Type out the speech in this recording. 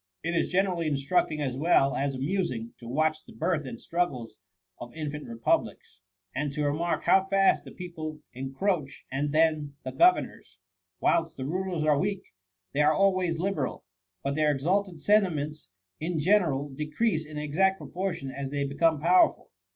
It is generally instructing as well as amusing to watch the birth and struggles of infant republics; and to remark first how fast the people encroach, and then the governors. Whilst the rulers are weak, they are always liberal; but their ex alted sentiments in general decrease in exact proportion as they become powerful.